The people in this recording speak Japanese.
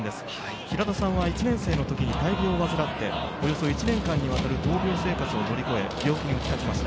平田さんは１年生の時に大病を患っておよそ１年間にわたる闘病生活を乗り越え、病気に打ち勝ちました。